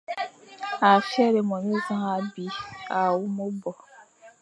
A fyelé monezañ abi à wu me bo,